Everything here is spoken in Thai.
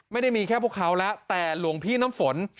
ไม่ได้มีแค่พวกเขาแล้วแต่หลวงพี่น้ำฝน